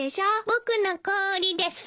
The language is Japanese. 僕の氷です。